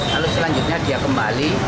lalu selanjutnya dia kembali